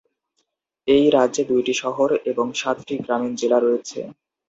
এই রাজ্যে দুইটি শহর এবং সাতটি গ্রামীণ জেলা রয়েছে।